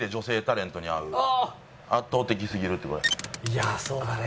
いやあそうだね。